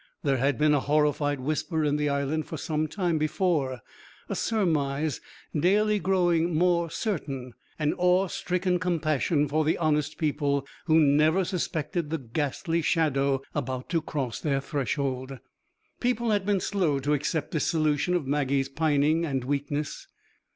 There had been a horrified whisper in the Island for some time before, a surmise daily growing more certain, an awe stricken compassion for the honest people who never suspected the ghastly shadow about to cross their threshold. People had been slow to accept this solution of Maggie's pining and weakness.